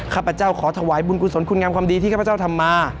ข้าพเจ้าขอถวายบุญกุศลคุณงามความดีที่ข้าพเจ้าทำมา